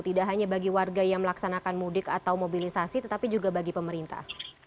tidak hanya bagi warga yang melaksanakan mudik atau mobilisasi tetapi juga bagi pemerintah